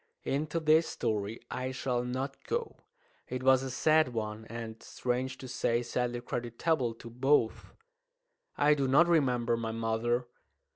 Into this story I shall not go. It was a sad one, and, strange to say, sadly creditable to both. I do not remember my mother.